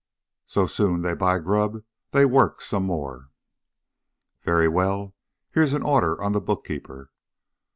So soon they buy grub, they work some more." "Very well. Here's an order on the book keeper."